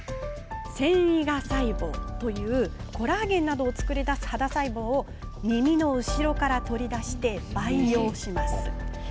線維芽細胞というコラーゲンなどを作り出す肌細胞を耳の後ろから取り出して培養します。